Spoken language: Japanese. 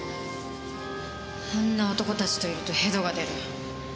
あんな男たちといると反吐が出る。